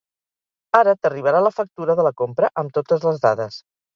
Ara t'arribarà la factura de la compra amb totes les dades.